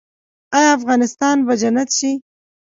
آیا افغانستان به جنت شي؟